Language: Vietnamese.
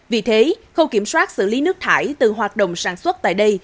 vì thế khâu kiểm soát xử lý nước thải từ hoạt động sản xuất tại đây